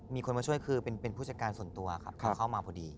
มีคนมาช่วยคือเป็นผู้จัดการส่วนตัวครับคือเข้ามาพอดี